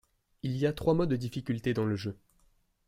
Il y a trois modes de difficultés dans le jeu.